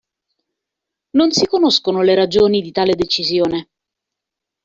Non si conoscono le ragioni di tale decisione.